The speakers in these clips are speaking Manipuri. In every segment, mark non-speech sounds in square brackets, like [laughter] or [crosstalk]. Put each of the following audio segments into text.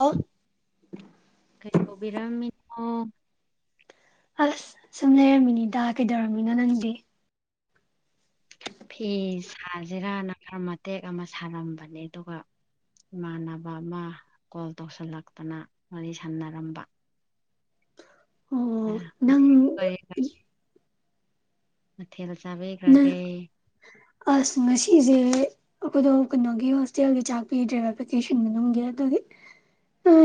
ꯑꯣ ꯀꯩ ꯇꯧꯕꯤꯔꯝꯃꯤꯅꯣ ꯑꯁ ꯁꯨꯝ ꯂꯩꯔꯝꯃꯤꯅꯤꯗ ꯀꯩꯗꯧꯔꯝꯃꯤꯅꯣ ꯅꯪꯗꯤ ꯐꯤ ꯁꯥꯁꯤꯖꯤꯔꯅ ꯈꯥꯔ ꯃꯇꯦꯛ ꯑꯃ ꯁꯥꯔꯝꯕꯅꯦ ꯑꯗꯨꯒ ꯏꯃꯥꯟꯅꯕ ꯑꯃ ꯀꯣꯜ ꯇꯧꯁꯤꯜꯂꯛꯇꯅ ꯋꯥꯔꯤ ꯁꯥꯟꯅꯔꯝꯕ ꯑꯣ ꯅꯪ ꯀꯔꯤ ꯃꯊꯦꯜ ꯆꯥꯕꯤ ꯅꯪ ꯈ꯭ꯔꯒꯦ ꯑꯁ ꯉꯁꯤꯁꯦ ꯑꯩꯈꯣꯏꯗꯣ ꯀꯩꯅꯣꯒꯤ ꯍꯣꯁꯇꯦꯜꯒꯤ ꯆꯥꯛ ꯄꯤꯗ꯭ꯔꯦꯕ ꯚꯦꯀꯦꯁꯟ ꯃꯅꯨꯡꯒꯤ [inaudible]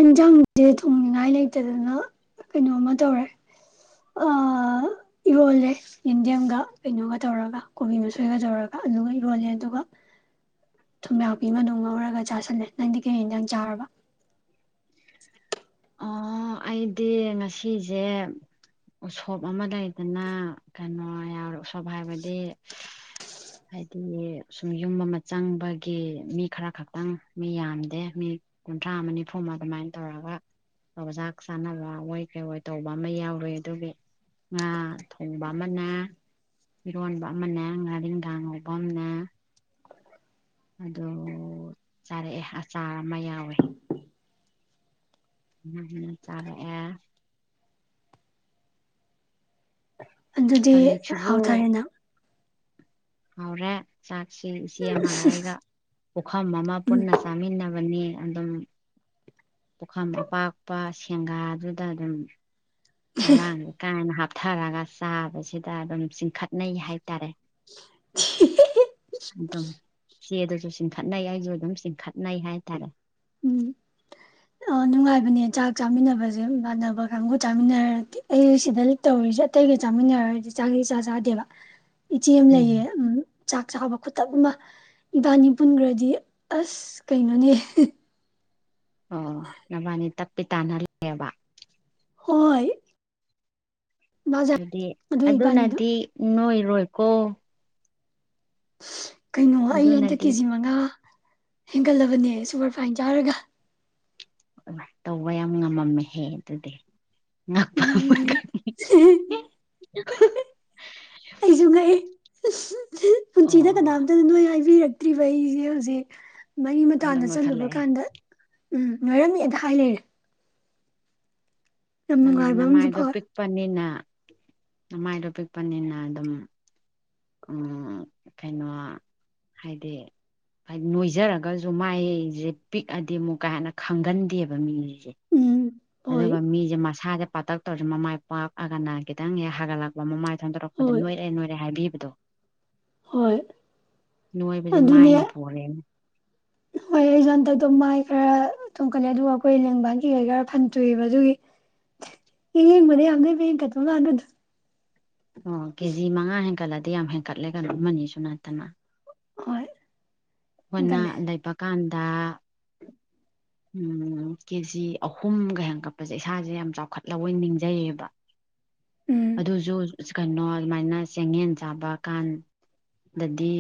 ꯏꯟꯁꯥꯡꯁꯦ ꯊꯣꯡꯅꯤꯉꯥꯏ ꯂꯩꯇꯗꯅ ꯀꯩꯅꯣꯃ ꯇꯧꯔꯦ ꯏꯔꯣꯜꯂꯦ ꯌꯦꯟꯗꯦꯝꯒ ꯀꯩꯅꯣꯒ ꯇꯧꯔꯒ ꯀꯣꯕꯤ ꯃꯁꯣꯏꯒ ꯇꯧꯔꯒ ꯑꯂꯨꯒ ꯏꯔꯣꯜꯂꯦ ꯑꯗꯨꯒ ꯊꯨꯝ ꯌꯥꯥꯛꯄꯤꯃ ꯉꯧꯔꯒ ꯆꯥꯥꯁꯜꯂꯦ ꯅꯪꯗꯤ ꯀꯩ ꯑꯦꯟꯁꯥꯡ ꯆꯥꯔꯕ ꯑꯣ ꯑꯩꯗꯤ ꯉꯁꯤꯁꯦ ꯎꯁꯣꯞ ꯑꯃ ꯂꯩꯗꯅ ꯀꯩꯅꯣ ꯌꯥꯎꯔꯦ ꯎꯁꯣꯞ ꯍꯥꯏꯕꯗꯤ ꯍꯥꯏꯗꯤ ꯁꯨꯝ ꯌꯨꯝ ꯑꯃ ꯆꯪꯕꯒꯤ ꯃꯤ ꯈꯔ ꯈꯛꯇꯪ ꯃꯤ ꯌꯥꯝꯗꯦ ꯃꯤ ꯀꯨꯟꯊ꯭ꯔꯥ ꯑꯃ ꯅꯤꯐꯨ ꯑꯃ ꯑꯗꯨꯃꯥꯏꯅ ꯇꯧꯔꯒ ꯄꯖꯥꯛ ꯆꯥꯅꯕ ꯑꯣꯏ ꯀꯩ ꯑꯣꯏ ꯇꯧꯕ ꯑꯃ ꯌꯥꯎꯔꯨ ꯑꯗꯨꯒꯤ ꯉꯥ ꯊꯣꯡꯕ ꯑꯃꯅ ꯏꯔꯣꯟꯕ ꯑꯃꯅ ꯉꯥꯔꯤꯈꯥ ꯉꯧꯕ ꯑꯃꯅ ꯑꯗꯨ ꯆꯥꯔꯛꯑꯦ ꯑꯆꯥꯔ ꯑꯃ ꯌꯥꯎꯋꯦ ꯎꯝꯝ ꯆꯥꯔꯦꯛ ꯑꯦ ꯑꯗꯨꯗꯤ ꯍꯧꯖꯤꯛꯁꯤꯕꯨ ꯍꯥꯎꯊꯔꯦꯅꯪ ꯍꯥꯎꯔꯦ ꯆꯥꯛꯁꯤ ꯏꯆꯦ ꯑꯃꯒ ꯑꯩꯒ ꯄꯨꯈꯝ ꯑꯃ ꯎꯝ ꯄꯨꯟꯅ ꯆꯥꯃꯤꯟꯅꯕ ꯕꯅꯤ ꯑꯗꯨꯝ ꯄꯨꯈꯝ ꯑꯄꯥꯛꯄ ꯁꯦꯡꯒꯥꯗꯨꯗ ꯑꯗꯨꯝ ꯃꯥꯥꯔꯥꯡ ꯀꯥꯏꯅ ꯍꯥꯞ ꯊꯔꯒ ꯆꯥꯕꯁꯤꯗ ꯑꯗꯨꯝ ꯆꯤꯡꯈꯠꯅꯩ ꯍꯥꯏꯇꯥꯔꯦ ꯑꯗꯨꯝ ꯆꯦ ꯑꯗꯨꯁꯨ ꯆꯤꯡꯈꯠꯅꯩ ꯑꯩꯁꯨ ꯑꯗꯨꯝ ꯆꯤꯡꯈꯠꯅꯩ ꯍꯥꯏꯇꯥꯔꯦ ꯎꯝ ꯑ ꯅꯨꯡꯉꯥꯏꯕꯅꯦ ꯆꯥꯛ ꯆꯥꯃꯤꯟꯅꯕꯁꯦ ꯏꯃꯥꯟꯅꯕ ꯀꯥꯡꯕꯨ ꯆꯥꯃꯤꯟꯅꯔꯗꯤ ꯑꯩ ꯁꯤꯗ ꯇꯧꯔꯤꯁꯦ ꯑꯇꯩꯒ ꯆꯥꯃꯤꯟꯅꯔꯔꯗꯤ ꯆꯥꯛꯁꯤ ꯆꯥ ꯆꯥꯗꯦꯕ ꯏꯆꯦ ꯑꯃ ꯎꯝ ꯂꯩꯌꯦ ꯎ ꯆꯥꯛ ꯆꯥꯕ ꯈꯨꯇꯛ ꯑꯃ ꯏꯕꯥꯅꯤ ꯄꯨꯟꯈ꯭ꯔꯗꯤ ꯑꯁ ꯀꯩꯅꯣꯅꯦ ꯑꯣ ꯅꯕꯥꯅꯤ ꯇꯞꯄꯤ ꯇꯥꯅ ꯂꯩꯌꯦꯕ ꯍꯣꯏ ꯃꯥꯖꯦ ꯑꯗꯨꯗꯤ ꯑꯗꯨ ꯏꯕꯥꯅꯤꯗꯣ ꯑꯗꯨꯅꯗꯤ ꯅꯣꯏꯔꯣꯏꯀꯣ ꯀꯩꯅꯣ ꯑꯩ ꯍꯟꯇ ꯑꯗꯨꯅꯗꯤ ꯀꯦꯖꯤ ꯃꯉꯥ ꯍꯦꯟꯒꯠꯂꯕꯅꯦ ꯁꯨꯄꯔꯐꯥꯏꯟ ꯆꯥꯔꯒ ꯇꯧꯕ ꯌꯥꯝ ꯉꯝꯃꯝꯃꯦꯍꯦ ꯑꯗꯨꯗꯤ ꯎꯝ [unintelligible] ꯑꯩꯁꯨ ꯉꯛꯑꯦ ꯄꯨꯟꯁꯤꯗ ꯑꯣ ꯀꯅꯥꯝꯇꯅ ꯅꯣꯏ ꯍꯥꯏꯕꯤꯔꯛꯇ꯭ꯔꯤꯕ ꯑꯩꯁꯦ ꯍꯧꯖꯤꯛ ꯃꯔꯤ ꯍꯟꯗꯛ ꯃꯇꯥꯗ ꯆꯠꯂꯨꯕ ꯅꯣꯏꯈꯠꯂꯛꯑꯦ ꯀꯥꯟꯗ ꯎꯝ ꯅꯣꯏꯔꯝꯃꯤꯗ ꯍꯥꯏ ꯂꯩꯔꯦ ꯌꯥꯝ ꯅꯪꯗꯤ ꯅꯨꯡꯉꯥꯏꯕ ꯑꯃꯁꯨ ꯅꯃꯥꯏꯗꯣ ꯐꯥꯎꯋꯦ ꯄꯤꯛꯄꯅꯤꯅ ꯅꯃꯥꯏꯗꯣ ꯄꯤꯛꯄꯅꯤꯅ ꯑꯗꯨꯝ ꯎꯝ ꯀꯩꯅꯣ ꯍꯥꯏꯗꯤ ꯍꯥꯏꯗꯤ ꯅꯣꯏꯖꯔꯒꯁꯨ ꯃꯥꯏꯖꯦ ꯄꯤꯛꯑꯗꯤ ꯑꯃꯨꯛ ꯀꯥ ꯍꯦꯟꯅ ꯈꯪꯒꯟꯗꯦꯕ ꯃꯤꯁꯦ ꯎꯝ ꯍꯣꯏ ꯑꯗꯨꯒ ꯃꯤꯖꯦ ꯃꯁꯥꯁꯦ ꯄꯥꯛꯇꯛ ꯇꯧꯁꯨ ꯃꯃꯥꯏ ꯄꯥꯛꯑꯒꯅ ꯈꯤꯇꯪ ꯍꯦꯛ ꯍꯥꯒꯠꯂꯛꯄ ꯃꯃꯥꯏ ꯍꯟꯗꯣꯔꯛꯄꯗ ꯍꯣꯏ ꯅꯣꯏꯔꯦ ꯅꯣꯏꯔꯦ ꯍꯥꯏꯕꯤꯕꯗꯣ ꯍꯣꯏ ꯅꯣꯏꯕꯁꯦ ꯃꯥꯏꯅ ꯄꯣꯜꯂꯦꯅꯦ ꯍꯣꯢ ꯑꯩꯖꯨ ꯍꯟꯗꯛꯇꯣ ꯃꯥꯢ ꯈꯔ ꯇꯣꯡꯈꯠꯂꯦ ꯑꯗꯨꯒ ꯑꯩꯈꯣꯏ ꯂꯦꯡꯕꯥꯟ ꯀꯤ ꯀꯩ ꯈꯔ ꯐꯟꯇꯣꯑꯦꯕ ꯑꯗꯨꯒꯤ ꯌꯦꯛ ꯌꯦꯡꯕꯗ ꯌꯥꯝꯅꯣꯏꯕ ꯍꯦꯟꯀꯠꯄ ꯃꯥꯟꯕꯗꯣ ꯑꯣ ꯀꯦꯖꯤ ꯃꯉꯥ ꯍꯦꯟꯀꯠꯂꯗꯤ ꯌꯥꯝ ꯍꯦꯟꯀꯠꯂꯦ ꯀꯩꯅꯣ ꯑꯃꯅꯤꯅꯤꯁꯨ ꯅꯠꯇꯅ ꯍꯣꯏ ꯍꯣꯢꯅ ꯍꯦꯟꯀꯠꯂꯦ ꯂꯩꯕ ꯀꯥꯟꯗ ꯎꯝ ꯀꯦꯖꯤ ꯑꯍꯨꯝꯒ ꯍꯦꯟ ꯀꯛꯄꯁꯦ ꯏꯁꯥꯅ ꯌꯥꯝ ꯆꯥꯎꯈꯠꯂꯕꯣꯢ ꯅꯤꯡꯖꯩꯌꯦꯕ ꯎꯝ ꯑꯗꯨꯁꯨ ꯀꯩꯅꯣ ꯑꯗꯨꯃꯥꯏꯅ ꯆꯦꯡꯌꯦꯟ ꯆꯥꯕ ꯀꯥꯟ ꯗꯗꯤ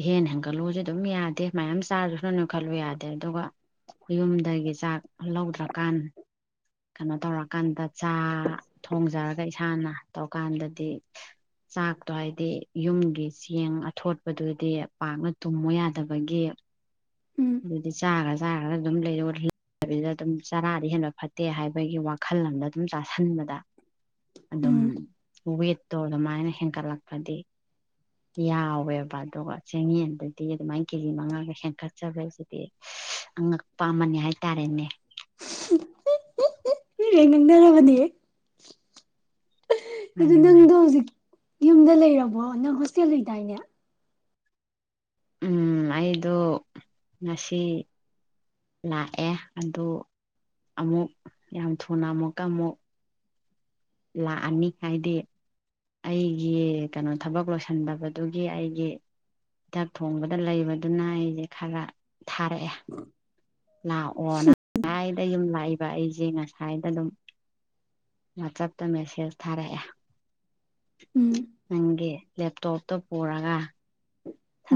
ꯏꯍꯦꯟ ꯍꯦꯟꯒꯠꯂꯨꯖꯨ ꯗꯨꯝ ꯌꯥꯗꯦ ꯃꯌꯥꯝ ꯆꯥꯔꯖꯨ ꯁꯨꯅꯣꯏ ꯅꯣꯏꯈꯂꯨ ꯌꯥꯗꯦ ꯑꯗꯨꯒ ꯌꯨꯝꯗꯒꯤ ꯆꯥꯛ ꯂꯧꯗ꯭ꯔꯀꯥꯟ ꯀꯩꯅꯣ ꯇꯧꯔꯀꯥꯟꯗ ꯆꯥ ꯊꯣꯡꯖꯔꯒ ꯏꯁꯥꯅ ꯇꯧꯀꯥꯟꯗꯗꯤ ꯆꯥꯛꯇꯣ ꯍꯥꯏꯗꯤ ꯌꯨꯝꯒꯤ ꯆꯦꯡ ꯑꯊꯣꯠꯄꯗꯨꯗꯤ ꯄꯥꯛꯅ ꯇꯨꯝꯃꯨ ꯌꯥꯗꯕꯒꯤ ꯎꯝ ꯑꯗꯨꯗꯤ ꯆꯥ ꯈ꯭ꯔꯥ ꯆꯥꯈ꯭ꯔꯥ ꯑꯗꯨꯝ ꯂꯩꯔꯠꯂꯤ ꯑꯗꯨꯗꯗꯨꯝ ꯆꯥꯔꯗꯤ ꯍꯦꯟꯕ ꯐꯠꯇꯦ ꯍꯥꯏꯕꯒꯤ ꯋꯥꯈꯜ ꯑꯃꯗ ꯑꯗꯨꯝ ꯆꯥ ꯁꯟꯕꯗ ꯑꯗꯨꯝ ꯎꯝ ꯋꯦꯠꯇꯣ ꯑꯗꯨꯃꯥꯏꯅ ꯍꯦꯟꯀꯠꯂꯛꯄꯗꯤ ꯌꯥꯎꯋꯦꯕ ꯑꯗꯨꯒ ꯆꯦꯡꯌꯦꯟꯗꯗꯤ ꯑꯗꯨꯃꯥꯏꯅ ꯀꯦꯖꯤ ꯃꯉꯥꯒ ꯍꯦꯟꯀꯠ ꯆꯕꯩꯁꯤꯗꯤ ꯑꯉꯛꯄ ꯑꯃꯅꯤ ꯍꯥꯏꯇꯥꯔꯦꯅꯦ [unintelligible] ꯑꯗꯨ ꯃꯥꯟꯅꯦ ꯃꯥꯟꯅꯦ ꯅꯪꯗꯣ ꯍꯧꯖꯤꯛ ꯌꯨꯝꯗ ꯂꯩꯔꯕꯣ ꯅꯪ ꯍꯣꯁꯇꯦꯜ ꯂꯩꯗꯥꯏꯅꯦ ꯎꯝ ꯑꯩꯗꯣ ꯉꯁꯤ ꯂꯥꯛꯑꯦ ꯑꯗꯨ ꯑꯃꯨꯛ ꯌꯥꯝ ꯊꯨꯅ ꯑꯃꯨꯛꯀ ꯑꯃꯨꯛ ꯂꯥꯛꯑꯅꯤ ꯍꯥꯏꯗꯤ ꯑꯩꯒꯤ ꯀꯩꯅꯣ ꯊꯕꯛ ꯂꯣꯏꯁꯤꯟꯕꯗꯨꯒꯤ ꯑꯩꯒꯤ ꯆꯥꯛ ꯊꯣꯡꯕꯗ ꯂꯩꯕꯗꯨꯅ ꯑꯩꯁꯦ ꯈꯥꯔ ꯊꯥꯔꯛꯑꯦ ꯂꯥꯛꯑꯣꯅ ꯉꯁꯥꯏꯗꯩ ꯌꯨꯝ ꯂꯥꯛꯏꯕ ꯑꯩꯖꯦ ꯉꯁ ꯁꯥꯏꯗ ꯗꯨꯝ ꯋꯥꯆꯞꯇ ꯃꯦꯁꯦꯖ ꯊꯥꯔꯛꯑꯦ ꯎꯝ ꯅꯪꯒꯤ ꯂꯦꯞꯇꯣꯞꯇꯣ ꯄꯨꯔꯒ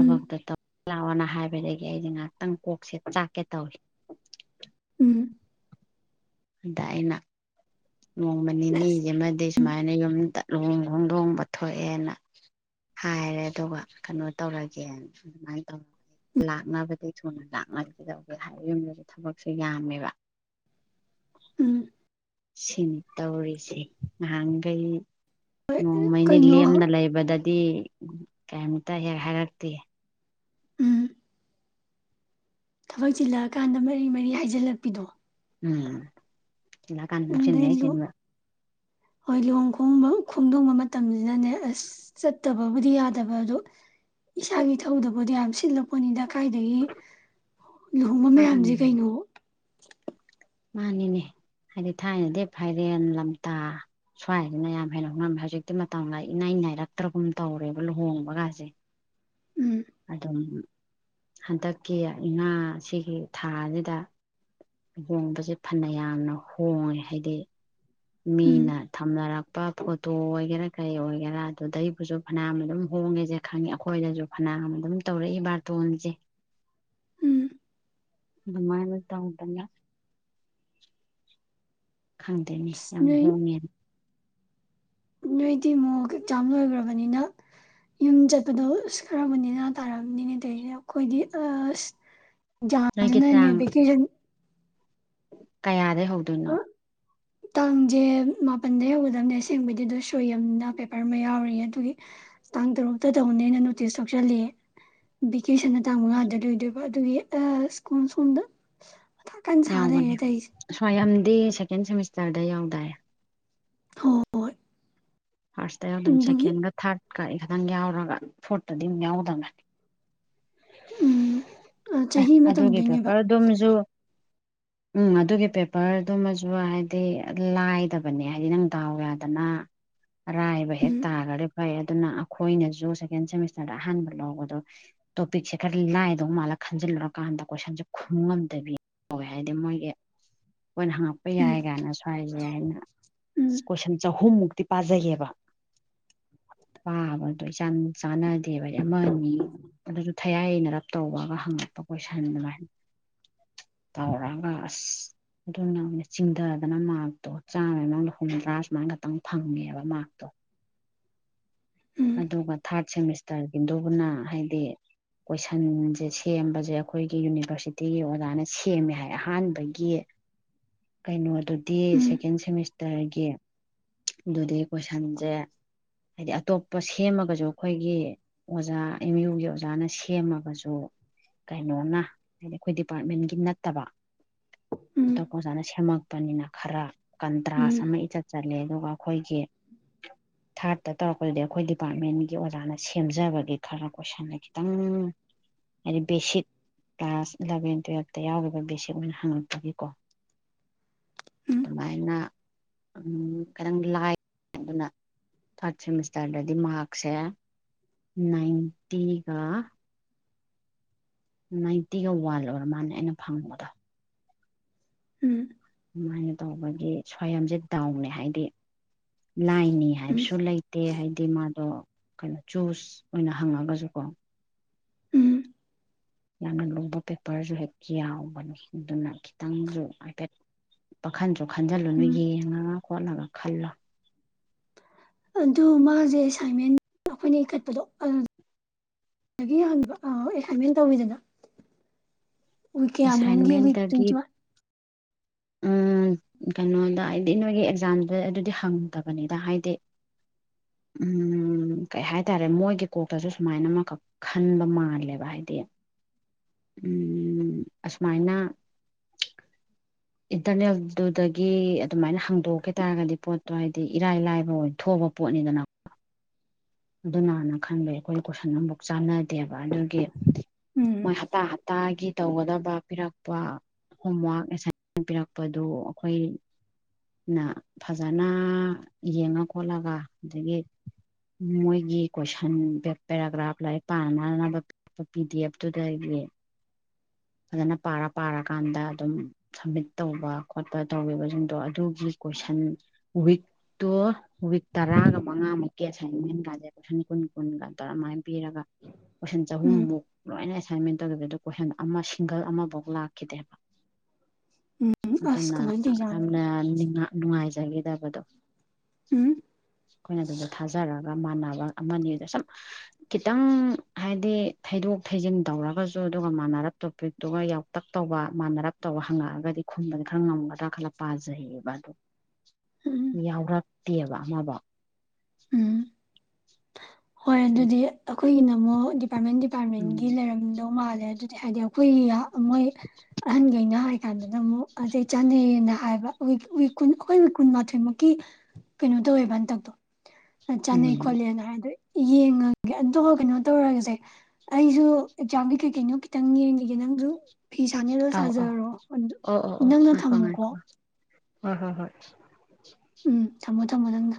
ꯎꯝ ꯇꯧ ꯇꯞ ꯂꯥꯛꯑꯣꯅ ꯍꯥꯏꯕꯗꯒꯤ ꯑꯩꯗꯤ ꯉꯍꯥꯛꯇꯪ ꯀꯣꯛꯁꯦ ꯆꯥꯛ ꯀꯦ ꯇꯧꯏ ꯎꯝ ꯑꯥꯗ ꯑꯩꯅ ꯅꯣꯡꯃ ꯑꯁ ꯅꯤꯅꯤꯁꯤꯃꯗꯤ ꯁꯨꯃꯥꯏꯅ ꯌꯨꯝꯗ ꯂꯨꯍꯣꯡ ꯈꯣꯡ ꯗꯣꯡꯕ ꯊꯣꯛꯑꯦꯅ ꯍꯥꯏꯔꯦ ꯑꯗꯨꯒ ꯀꯩꯅꯣ ꯇꯧꯔꯒꯦꯅ ꯑꯗꯨꯃꯥꯏꯅ ꯇꯧꯏ ꯂꯥꯛꯅꯕꯗꯤ ꯊꯨꯅ ꯂꯥꯛꯅꯒꯗꯧꯒꯦ ꯍꯥꯏꯕ ꯌꯨꯝꯗꯁꯨ ꯊꯕꯛꯁꯨ ꯌꯥꯝꯃꯦꯕ [inaudible] ꯎꯝ ꯁꯤꯅꯤ ꯇꯧꯔꯤꯁꯦ ꯅꯍꯥꯟꯒꯩ ꯅꯣꯡꯃ ꯅꯩꯅ ꯀꯩꯅꯣ ꯂꯦꯝꯅ ꯂꯩꯕꯗꯗꯤ ꯀꯩꯝꯇ ꯍꯦꯛ ꯍꯥꯏꯔꯛꯇꯦ ꯎꯝ ꯊꯕꯛ ꯆꯤꯜꯂꯛꯑꯀꯥꯟꯗ ꯃꯔꯤ ꯃꯔꯤ ꯍꯥꯏꯖꯤꯜꯂꯛꯄꯤꯗꯣ ꯎꯝ ꯆꯤꯜꯂꯛꯑ ꯀꯥꯟꯗ ꯄꯪꯆꯤꯟꯗ ꯑꯗꯩ ꯍꯦꯛ ꯂꯨ ꯆꯤꯟꯕ ꯍꯣꯏ ꯂꯨꯍꯣꯡ ꯈꯣꯡꯗꯣ ꯈꯣꯡꯗꯣꯡꯕ ꯃꯇꯝꯅꯤꯅꯅꯦ ꯑꯁ ꯆꯠꯇꯕꯕꯨꯗꯤ ꯌꯥꯗꯕ ꯑꯗꯣ ꯏꯁꯥꯒꯤ ꯏꯊꯧꯗꯕꯨꯗꯤ ꯌꯥꯝ ꯁꯤꯜꯂꯛꯄꯣꯠꯅꯤ ꯗ ꯀꯥꯏꯗꯒꯤ ꯂꯨꯍꯣꯡꯕ ꯃꯌꯥꯝꯁꯦ ꯀꯩꯅꯣ ꯃꯥꯟꯅꯤꯅꯦ ꯍꯥꯏꯗꯤ ꯊꯥꯏꯅꯗꯤ ꯐꯥꯏꯔꯦꯟ ꯂꯝꯇꯥ ꯁ꯭ꯋꯥꯏꯁꯤꯅ ꯌꯥꯝ ꯍꯦꯟꯅ ꯍꯣꯡꯉꯝꯃꯦ ꯍꯧꯖꯤꯛꯇꯤ ꯃꯇꯝꯒ ꯏꯅꯥꯏ ꯅꯥꯏ ꯅꯥꯏꯔꯛꯇ꯭ꯔꯕꯒꯨꯝ ꯇꯧꯔꯦꯕ ꯂꯨꯍꯣꯡꯕꯒꯁꯦ ꯎꯝ ꯑꯗꯨꯝ ꯍꯟꯗꯛꯀꯤ ꯏꯉꯥꯁꯤꯒꯤ ꯊꯥꯁꯤꯗ ꯂꯨꯍꯣꯡꯕꯁꯦ ꯐꯟꯅ ꯌꯥꯝꯅ ꯍꯣꯡꯉꯦ ꯍꯥꯏꯗꯤ ꯎꯝ ꯃꯤꯅ ꯊꯝꯅꯔꯛꯄ ꯐꯣꯇꯣ ꯑꯣꯏꯒꯦꯔꯥ ꯀꯩ ꯑꯣꯏꯒꯦꯔꯥ ꯑꯗꯨꯗꯩ ꯈꯣꯏꯁꯨ ꯐꯅꯌꯥꯝ ꯑꯗꯨꯝ ꯍꯣꯡꯉꯦꯁꯦ ꯈꯪꯉꯤ ꯑꯩꯈꯣꯏꯗꯁꯨ ꯐꯅꯌꯥꯝ ꯑꯗꯨꯝ ꯇꯧꯔꯛꯏ ꯕꯥꯔꯇꯣꯟꯁꯦ ꯎꯝ ꯑꯗꯨꯃꯥꯏ ꯇꯧꯗꯅ ꯈꯪꯗꯣꯏꯅꯦ ꯑꯁ ꯌꯥꯝ ꯅꯣꯏ ꯍꯣꯡꯉꯦꯅ ꯅꯣꯏꯗꯤ ꯃꯣꯛ ꯑꯦꯛꯖꯥꯝ ꯂꯣꯏꯈ꯭ꯔꯕꯅꯤꯅ ꯌꯨꯝ ꯆꯠꯄꯗꯣ ꯑꯁ ꯈꯥꯔꯕꯨ ꯅꯦꯅ ꯇꯥꯔꯝꯅꯤꯅꯦ ꯑꯈꯣꯏꯗꯤ ꯑꯁ ꯖꯥꯝ ꯖꯤꯅꯅꯦ ꯚꯦꯀꯦꯁꯟ ꯀꯥꯌꯗꯩꯒꯤ ꯍꯧꯗꯣꯏꯅꯣ ꯇꯥꯡꯁꯦ ꯃꯥꯄꯜꯗ ꯍꯧꯒꯗꯕꯅꯦ ꯑꯁꯦꯡꯕꯗꯤ ꯑꯗꯨ ꯁꯣꯏꯌꯝꯅ ꯄꯦꯄꯔ ꯑꯃ ꯌꯥꯎꯔꯤꯌꯦ ꯑꯗꯨꯒꯤ ꯇꯥꯡ ꯇꯔꯨꯛꯇ ꯇꯧꯒꯅꯤꯅ ꯅꯣꯇꯤꯁ ꯊꯣꯛꯆꯜꯂꯤ ꯚꯦꯀꯦꯁꯟꯅ ꯇꯥꯡ ꯃꯉꯥꯗ ꯂꯣꯏꯗꯣꯏꯕ ꯑꯗꯨꯒꯤ ꯁ꯭ꯀꯨꯜ ꯁꯣꯝꯗ ꯃꯊꯥ ꯀꯟꯅ ꯁꯥ ꯌꯥꯎꯕꯅꯦ ꯂꯩꯔꯦ ꯇꯧꯔꯤꯁꯦ ꯁ꯭ꯋꯥꯏ ꯌꯝꯗꯤ ꯁꯦꯀꯦꯟ ꯁꯦꯃꯤꯁꯇꯔꯗ ꯌꯥꯎꯗꯥꯏ ꯍꯣ ꯍꯣꯏ ꯐꯥꯔꯁꯇ ꯌꯥꯎꯗꯝ ꯁꯦꯀꯦꯟꯒ ꯊꯥꯔꯠꯀ ꯇꯪ ꯌꯥꯎꯔꯒ ꯐꯣꯔꯠꯇꯗꯤ ꯑꯃꯨꯛ ꯌꯥꯎꯗꯕꯅꯤ ꯎꯝ ꯑꯦ ꯆꯍꯤ ꯑꯃ ꯑꯗꯨꯒꯤ ꯇꯝꯗꯣꯏꯅꯦꯕ ꯄꯦꯄꯔ ꯗꯨꯝꯁꯨ ꯎꯝ ꯑꯗꯨꯒꯤ ꯄꯦꯄꯔꯗꯨꯃꯁꯨ ꯍꯥꯏꯗꯤ ꯂꯥꯏꯗꯕꯅꯦ ꯍꯥꯏꯗꯤ ꯅꯪ ꯗꯥꯎ ꯌꯥꯗꯅ ꯑꯔꯥꯏꯕ ꯍꯦꯛ ꯎꯝ ꯇꯥꯔꯗꯤ ꯐꯩ ꯑꯗꯨꯅ ꯑꯩꯈꯣꯏꯅꯁꯨ ꯁꯦꯀꯦꯟ ꯁꯦꯃꯤꯁꯇꯔꯗ ꯑꯍꯥꯟꯕ ꯂꯧꯕꯗꯣ ꯇꯣꯄꯤꯛꯁꯦ ꯈꯔ ꯂꯥꯏꯗꯧ ꯃꯥꯜꯂ ꯈꯟꯖꯤꯜꯂꯨꯔꯀꯥꯟꯗ ꯀꯣꯏꯁꯟꯁꯦ ꯈꯨꯝꯉꯝꯗꯕꯤ ꯍꯥꯏꯗꯤ ꯃꯣꯏꯒꯤ ꯑꯩꯈꯣꯏꯅ ꯍꯪꯉꯛꯄ ꯎꯝ ꯌꯥꯏ ꯀꯥꯏꯅꯁꯨ ꯍꯥꯏꯅ ꯎꯝ ꯀꯣꯏꯁꯟ ꯆꯍꯨꯝꯃꯨꯛꯇꯤ ꯄꯥꯖꯩꯌꯦꯕ ꯄꯥꯕꯗꯣ ꯏꯆꯥꯟ ꯆꯥꯟꯅꯗꯦꯕ ꯑꯃ ꯑꯅꯤ ꯑꯗꯨꯁꯨ ꯊꯌꯥꯏꯅꯩꯔꯞ ꯇꯧꯕꯒ ꯍꯪꯉꯛꯄ ꯀꯣꯏꯁꯟ ꯑꯗꯨꯃꯥꯏꯅ ꯇꯧꯔꯒ ꯑꯁ ꯑꯗꯨꯅ ꯑꯣꯏꯅ ꯆꯤꯡꯊꯗꯅ ꯃꯥꯔꯛꯇꯣ ꯆꯥꯝꯃꯩ ꯃꯅꯨꯡꯗ ꯍꯨꯝꯗ꯭ꯔꯥ ꯁꯨꯃꯥꯏꯅ ꯈꯛꯇꯪ ꯐꯪꯉꯦꯕ ꯃꯥꯔꯛꯇꯣ [inaudible] ꯎꯝ ꯑꯗꯨꯒ ꯊꯥꯔꯠ ꯁꯦꯃꯤꯁꯇꯔꯒꯤꯗꯨꯕꯨꯅ ꯍꯥꯏꯗꯤ ꯀꯣꯏꯁꯟꯁꯦ ꯁꯦꯝꯕꯁꯦ ꯑꯩꯈꯣꯏꯒꯤ ꯌꯨꯅꯤꯚꯔꯁꯤꯇꯤꯒꯤ ꯑꯣꯖꯥꯅ ꯁꯦꯝꯃꯦ ꯍꯥꯏ ꯑꯍꯥꯟꯕꯒꯤ ꯀꯩꯅꯣ ꯑꯗꯨꯗꯤ ꯎꯝ ꯁꯦꯀꯦꯟ ꯁꯦꯃꯤꯁꯇꯔꯒꯤ ꯑꯗꯨꯗꯤ ꯀꯣꯏꯁꯟꯁꯦ ꯍꯥꯏꯗꯤ ꯑꯇꯣꯞꯄ ꯄ ꯁꯦꯝꯃꯒꯁꯨ ꯑꯩꯈꯣꯏꯒꯤ ꯑꯣꯖꯥ ꯑꯦꯝ ꯌꯨꯒꯤ ꯑꯣꯖꯥꯅ ꯁꯦꯝꯃꯒꯁꯨ ꯀꯩꯅꯣꯅ ꯍꯥꯏꯗꯤ ꯑꯩꯈꯣꯏ ꯗꯤꯄꯥꯔꯠꯃꯦꯟꯒꯤ ꯅꯠꯇꯕ ꯎꯝ ꯑꯇꯣꯞꯄ ꯑꯣꯖꯥꯅ ꯁꯦꯝꯃꯛꯄꯅꯤꯅ ꯈꯔ ꯎꯝ ꯀꯟꯇ꯭ꯔꯥꯁ ꯑꯃ ꯏꯆꯠ ꯆꯠꯂꯦ ꯑꯗꯨꯒ ꯑꯩꯈꯣꯏꯒꯤ ꯊꯥꯔꯠꯇ ꯇꯧꯔꯛꯄꯗꯨꯗꯤ ꯑꯩꯈꯣꯏ ꯗꯤꯄꯥꯔꯠꯃꯦꯟꯒꯤ ꯑꯣꯖꯥꯅ ꯁꯦꯝꯖꯕꯒꯤ ꯈꯔ ꯀꯣꯏꯁꯟꯗ ꯈꯤꯇꯪ ꯍꯥꯏꯗꯤ ꯕꯦꯁꯤꯠ ꯀ꯭ꯂꯥꯁ ꯏꯂꯚꯦꯟ ꯇꯨꯋꯜꯞꯇ ꯌꯥꯎꯈꯤꯕ ꯕꯦꯁꯤꯛ ꯑꯣꯏꯅ ꯍꯪꯉꯛꯄꯒꯤꯀꯣ ꯎꯝ ꯑꯗꯨꯃꯥꯏꯅ ꯎꯝ ꯈꯤꯇꯪ ꯂꯥꯏ ꯑꯗꯨꯅ ꯊꯥꯔꯠ ꯁꯦꯃꯤꯁꯇꯔ ꯏꯁꯇꯔꯗꯗꯤ ꯃꯥꯔꯛꯁꯦ ꯅꯥꯏꯟꯇꯤꯒ ꯅꯥꯏꯟꯇꯤꯒ ꯋꯥꯜ ꯑꯣꯏꯔꯥ ꯃꯥꯅꯦ ꯑꯩꯅ ꯐꯪꯕꯗꯣ ꯎꯝ ꯑꯗꯨꯃꯥꯏꯅ ꯇꯧꯕꯒꯤ ꯁ꯭ꯋꯥꯝꯁꯦ ꯗꯥꯎꯅꯦ ꯍꯥꯏꯗꯤ ꯂꯥꯏꯅꯤ ꯎꯝ ꯎꯝ ꯍꯥꯏꯕꯁꯨ ꯂꯩꯇꯦ ꯍꯥꯏꯗꯤ ꯃꯥꯗꯣ ꯀꯩꯅꯣ ꯆꯨꯁ ꯑꯣꯏꯅ ꯍꯪꯉꯒꯁꯨꯀꯣ ꯎꯝ ꯌꯥꯝꯅ ꯂꯨꯕ ꯄꯦꯄꯔꯁꯨ ꯍꯦꯛ ꯌꯥꯎꯕꯅꯤ ꯑꯗꯨꯅ ꯈꯤꯇꯪꯁꯨ ꯍꯥꯏꯐꯦꯠ ꯄꯥꯈꯟꯁꯨ ꯈꯟꯖꯤꯜꯂꯨꯅꯨ ꯎꯝ ꯌꯦꯡꯉꯒ ꯈꯣꯠꯂꯒ ꯈꯜꯂꯣ ꯑꯗꯨ ꯃꯥꯁꯦ ꯑꯦꯁꯥꯏꯟꯃꯦꯟ ꯑꯩꯈꯣꯏꯅ ꯏꯈꯠꯄꯗꯣ ꯑꯗꯨ ꯗꯒꯤ ꯍꯟꯕ ꯑꯥ ꯑꯦꯁꯥꯏꯟꯃꯦꯟ ꯇꯧꯋꯤꯗꯅ ꯋꯤꯛ ꯀꯌꯥꯅꯣꯡꯒꯤ ꯋꯤꯛ ꯑꯦꯁꯥꯏꯟꯃꯦꯟꯇꯒꯤ ꯇꯣꯏꯟꯇꯤ ꯋꯥꯟ ꯎꯝ ꯎꯝ ꯀꯩꯅꯣꯗ ꯍꯥꯏꯗꯤ ꯅꯣꯏꯒꯤ ꯑꯦꯛꯖꯥꯝꯗ ꯑꯗꯨꯗꯤ ꯍꯪꯗꯕꯅꯤꯗ ꯍꯥꯏꯗꯤ ꯎꯝ ꯀꯩ ꯍꯥꯏꯇꯥꯔꯦ ꯃꯣꯏꯒꯤ ꯀꯣꯛꯇꯁꯨ ꯁꯨꯃꯥꯏꯅ ꯑꯃꯈꯛ ꯈꯟꯕ ꯃꯥꯜꯂꯦꯕ ꯍꯥꯏꯗꯤ ꯎꯝ ꯑꯁꯨꯃꯥꯏꯅ ꯏꯟꯇꯔꯅꯦꯜꯗꯨꯨꯗꯒꯤ ꯑꯗꯨꯃꯥꯏꯅ ꯍꯪꯗꯣꯛꯈꯤ ꯇꯥꯔꯒꯗꯤ ꯄꯣꯠꯇꯣ ꯍꯥꯏꯗꯤ ꯏꯔꯥꯏ ꯂꯥꯏꯕ ꯑꯣꯏꯅ ꯊꯣꯛꯑ ꯄꯣꯠꯅꯤꯗꯅ ꯑꯗꯨꯅꯅ ꯈꯟꯕꯩ ꯑꯩꯈꯣꯏ ꯀꯣꯏꯁꯟ ꯑꯃꯐꯨꯛ ꯆꯥꯟꯅꯗꯦꯕ ꯑꯗꯨꯒꯤ ꯎꯝ ꯃꯣꯏ ꯍꯞꯇꯥ ꯍꯞꯇꯥꯒꯤ ꯇꯧꯒꯗꯕ ꯄꯤꯔꯛꯄ ꯍꯣꯝꯋꯔꯛ ꯑꯦꯁꯥꯏꯟꯃꯦꯟ ꯄꯤꯔꯛꯄꯗꯨ ꯑꯩꯈꯣꯏ ꯅꯥ ꯐꯖꯅ ꯌꯦꯡꯉ ꯈꯣꯠꯂꯒ ꯑꯗꯒꯤ ꯃꯣꯏꯒꯤ ꯀꯣꯏꯁꯟ ꯄꯦ ꯄꯦꯔꯥꯒ꯭ꯔꯥꯐ ꯂꯥꯏꯔꯤꯛ ꯄꯥꯅꯅꯕ ꯄ ꯄ ꯄꯤ ꯗꯤ ꯑꯦꯐ ꯇꯨꯗꯒꯤ ꯐꯖꯅ ꯄꯥꯔ ꯄꯥꯔ ꯀꯥꯟꯗ ꯑꯗꯨꯝ ꯁꯝꯃꯤꯠ ꯇꯧꯕ ꯈꯣꯠꯄ ꯇꯧꯋꯦꯕꯁꯤꯡꯗꯣ ꯑꯗꯨꯒꯤ ꯀꯣꯏꯁꯟ ꯋꯤꯛꯇꯣ ꯋꯤꯛ ꯇꯔꯥꯒ ꯃꯉꯥꯃꯨꯛꯀꯤ ꯑꯦꯁꯥꯏꯟꯃꯦꯟ ꯀꯥꯖꯦ ꯀꯣꯏꯁꯟ ꯀꯨꯟ ꯀꯨꯟꯒ ꯇꯥꯉꯥ ꯄꯤꯔꯒ ꯀꯣꯏꯁꯟ ꯎꯝ ꯆꯍꯨꯝꯃꯨꯛ ꯂꯣꯏꯅ ꯑꯦꯁꯥꯏꯟꯃꯦꯟ ꯇꯧꯋꯦꯕ ꯑꯗꯨ ꯀꯣꯏꯁꯟ ꯑꯃ ꯁꯤꯡꯒꯜ ꯑꯃꯕꯥꯎ ꯂꯥꯛꯈꯤꯗꯦꯕ ꯎꯝ ꯑꯁ ꯀꯃꯥꯏꯅ ꯇꯧꯔꯤꯖꯥꯠꯅꯣ [unintelligible] ꯖꯒꯤꯗꯕꯗꯣ ꯎꯝ ꯑꯩꯈꯣꯏꯅ ꯑꯗꯨꯗ ꯊꯥꯖꯔꯒ ꯃꯥꯟꯅꯕ ꯑꯃꯅꯤ ꯑꯗꯨ ꯁꯨꯝ ꯈꯤꯇꯪ ꯍꯥꯏꯗꯤ ꯊꯩꯗꯣꯛ ꯗꯣꯛ ꯊꯩꯖꯤꯟ ꯇꯧꯔꯒꯁꯨ ꯑꯗꯨꯒ ꯃꯥꯟꯅꯔꯛ ꯇꯣꯄꯤꯛꯇꯨ ꯈ ꯌꯥꯎꯇꯛ ꯇꯧꯕ ꯃꯥꯟꯅꯔꯞ ꯇꯧꯔ ꯍꯪꯉꯛꯑꯒꯗꯤ ꯈꯨꯝꯕꯗ ꯈꯔ ꯉꯝꯒꯗ꯭ꯔꯥ ꯈꯜꯂ ꯄꯥꯖꯩꯌꯦꯕ ꯑꯗꯨ ꯎꯝ ꯌꯥꯎꯔꯛꯇꯦꯕ ꯑꯃꯕꯧ ꯎꯝ ꯍꯣꯏ ꯑꯗꯨꯗꯤ ꯑꯩꯈꯣꯏꯒꯤꯅ ꯑꯃꯨꯛ ꯗꯤꯄꯥꯔꯠꯃꯦꯟ ꯎꯝ ꯗꯤꯄꯥꯔꯠꯃꯦꯟꯒꯤ ꯂꯩꯔꯝꯗꯧ ꯃꯥꯜꯂꯦ ꯑꯗꯨꯗꯤ ꯍꯥꯏꯗꯤ ꯑꯩꯈꯣꯏꯒꯤ ꯌꯥꯎ ꯃꯣꯏ ꯑꯍꯟꯒꯩꯅ ꯍꯥꯏ ꯀꯥꯟꯗꯅ ꯑꯃꯨꯛ ꯑꯗꯩ ꯆꯥꯅꯩꯌꯦꯅ ꯍꯥꯏꯕ ꯋ ꯋꯤꯛ ꯀꯨꯟ ꯑꯩꯈꯣꯏ ꯋꯤꯛ ꯀꯨꯟꯃꯥꯊꯣꯏꯃꯨꯛꯀꯤ ꯀꯩꯅꯣ ꯇꯧꯋꯦꯕ ꯍꯟꯇꯛꯇꯣ ꯑꯥ ꯆꯥꯅꯩ ꯎꯝ ꯈꯣꯠꯂꯦꯅ ꯍꯥꯏ ꯑꯗꯨꯏ ꯌꯦꯡꯉꯒꯦ ꯑꯗꯨꯒ ꯀꯩꯅꯣ ꯇꯧꯔꯒꯁꯦ ꯑꯩꯁꯨ ꯑꯦꯛꯖꯥꯝꯒꯤ ꯀꯩꯀꯩꯅꯣ ꯈꯤꯇꯪ ꯌꯦꯡꯈꯤꯒꯦ ꯅꯪꯁꯨ ꯐꯤ ꯁꯥꯅꯤ ꯗꯣ ꯑꯧ ꯁꯥꯖꯔꯣ ꯑꯗꯨ ꯑꯧ ꯑꯣ ꯑꯣ ꯅꯪꯅ ꯑꯣ ꯊꯝꯃꯨꯀꯣ ꯉꯥꯏꯈꯣ ꯉꯥꯏꯈꯣ ꯍꯣꯏ ꯍꯣꯏ ꯍꯣꯏ ꯎꯝ ꯊꯝꯃꯣ ꯊꯝꯃꯣ ꯅꯪꯅ